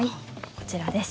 こちらです。